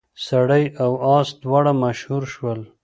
سړی او اس دواړه مشهور شول.